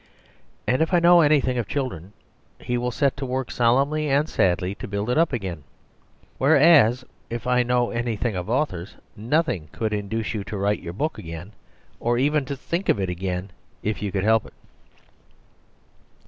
And if I know anything of children, he will set to work solemnly and sadly to build it up again. Whereas, if I know anything of authors, nothing would induce you to write your book again, or even to think of it again if you could help it.